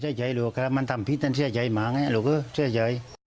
เสียใจลูกครับมันทำผิดมันเสียใจหมานี่ลูกเสียใจ